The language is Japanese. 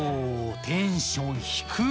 テンション低っ！